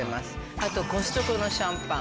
あとコストコのシャンパン。